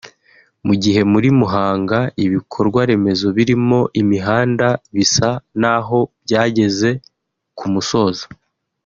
Mu gihe muri Muhanga ibikorwa remezo birimo imihanda bisa n’aho byageze ku musozo